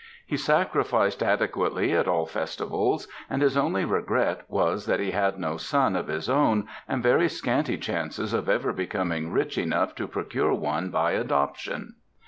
He sacrificed adequately at all festivals, and his only regret was that he had no son of his own and very scanty chances of ever becoming rich enough to procure one by adoption.